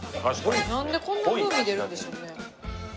なんでこんな風味出るんでしょうね？